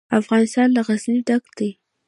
افغانستان له غزني ډک دی.